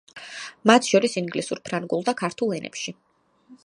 მათ შორის ინგლისურ, ფრანგულ და ქართულ ენებში.